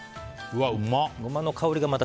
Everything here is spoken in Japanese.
うわ、うまっ。